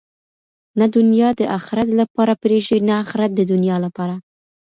نه دنیا د آخرت لپاره پریږدئ نه آخرت د دنیا لپاره.